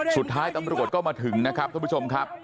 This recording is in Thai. สุดท้ายตำรวจก็มาถึงนะครับท่านผู้ชมครับ